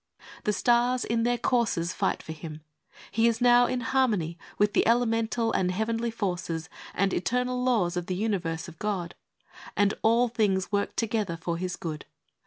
* The stars in their courses fight for him. He is now in harmony with the elemental and heavenly forces and eternal laws of the universe of God, and all things work together for his good.